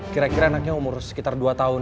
kira kira anaknya umur sekitar dua tahun